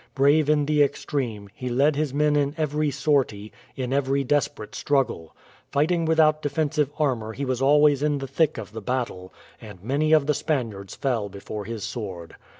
Brave in the extreme, he led his men in every sortie, in every desperate struggle. Fighting without defensive armour he was always in the thick of the battle, and many of the Spaniards fell before his sword.